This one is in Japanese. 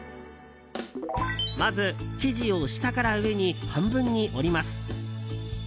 まず生地を下から上に半分に折ります。